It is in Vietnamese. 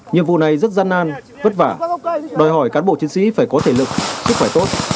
nhiệm vụ này rất gian nan vất vả đòi hỏi cán bộ chiến sĩ phải có thể lực sức khỏe tốt